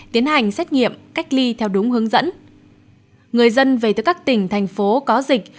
tiến hành xét nghiệm cách ly theo đúng hướng dẫn người dân về từ các tỉnh thành phố có dịch